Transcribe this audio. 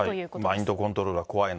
マインドコントロールは怖い。